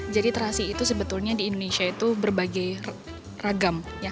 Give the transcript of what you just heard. jadi terasi itu sebetulnya di indonesia itu berbagai ragam